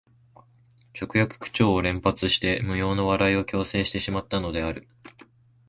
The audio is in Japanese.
直訳口調を連発して無用の笑いを強制してしまったのである